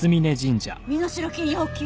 身代金要求？